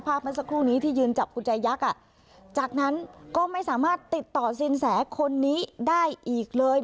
เมื่อสักครู่นี้ที่ยืนจับกุญแจยักษ์จากนั้นก็ไม่สามารถติดต่อสินแสคนนี้ได้อีกเลย